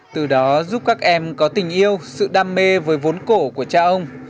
từ đó giúp các em có tình yêu sự đam mê với vốn cổ của cha ông